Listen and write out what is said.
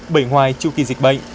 bởi ngoài trung kỳ dịch bệnh